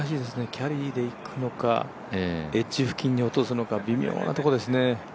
キャリーでいくのか、エッジ付近に落とすのか微妙なところですね。